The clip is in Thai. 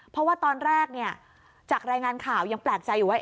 เพราะว่าตอนแรกเนี่ยจากรายงานข่าวยังแปลกใจอยู่ว่า